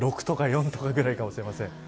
６とか４度くらいかもしれません。